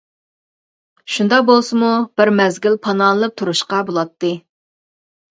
شۇنداق بولسىمۇ بىر مەزگىل پاناھلىنىپ تۇرۇشقا بولاتتى.